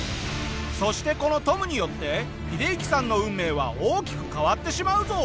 そしてこのトムによってヒデユキさんの運命は大きく変わってしまうぞ！